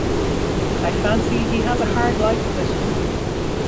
I fancy he has a hard life of it.